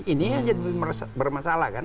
ini yang jadi bermasalah kan